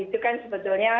itu kan sebetulnya